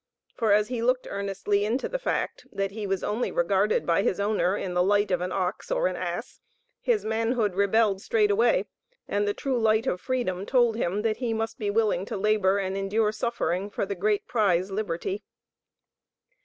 For as he looked earnestly into the fact, that he was only regarded by his owner in the light of an ox, or an ass, his manhood rebelled straightway, and the true light of freedom told him, that he must be willing to labor, and endure suffering for the great prize, liberty.